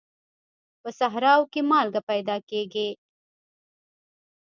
په صحراوو کې مالګه پیدا کېږي.